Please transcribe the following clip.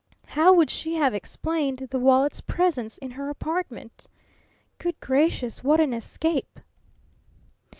How would she have explained the wallet's presence in her apartment? Good gracious, what an escape!